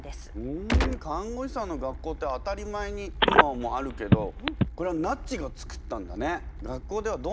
ふん看護師さんの学校って当たり前に今はもうあるけどこれはなっちがつくったんだね。